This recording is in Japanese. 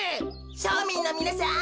しょみんのみなさん